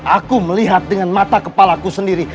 aku melihat dengan mata kepalaku sendiri